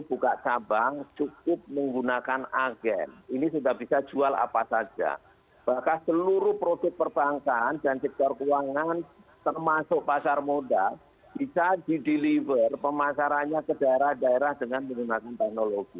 untuk marketing produk keuangan ini tidak perlu datang secara fisik